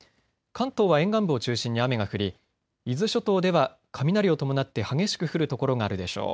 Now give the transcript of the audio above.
関東は沿岸部を中心に雨が降り伊豆諸島では雷を伴って激しく降る所があるでしょう。